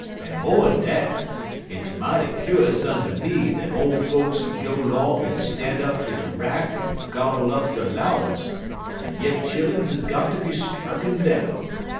En mo'n dat, hit's mighty kuse unter me dat ole folks kin go 'long en stan' up ter de rack en gobble up der 'lowance, en yit chilluns is got ter be strucken down.